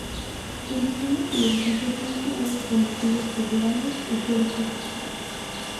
El diseño del edificio fue inspirado con motivos culturales e históricos del estado.